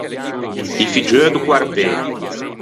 I figgeu do quartê.